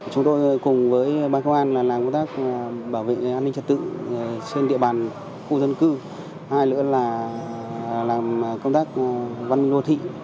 chúng tôi cùng với ba công an làm công tác bảo vệ an ninh trật tự trên địa bàn khu dân cư hai nữa là làm công tác văn đô thị